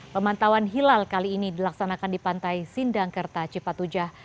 pemantauan hilal kali ini dilaksanakan di pantai sindangkerta cipatujah